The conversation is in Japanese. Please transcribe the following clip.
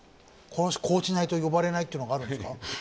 こうしないと呼ばれないみたいなのがあるんですか？